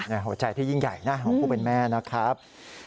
หัวใจที่ยิ่งใหญ่นะของผู้เป็นแม่นะครับ